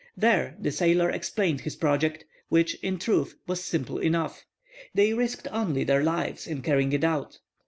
There the sailor explained his project, which, in truth, was simple enough:—They risked only their lives in carrying it out.